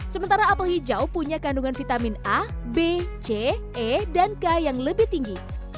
sementara apel hijau punya kandungan vitamin a b c e dan k yang lebih tinggi